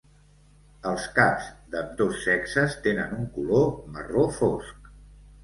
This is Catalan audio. Els caps d'ambdós sexes tenen un color marró fosc.